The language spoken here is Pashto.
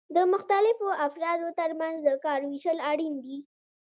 د مختلفو افرادو ترمنځ د کار ویشل اړین دي.